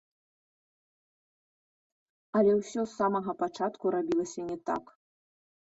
Але ўсё з самага пачатку рабілася не так.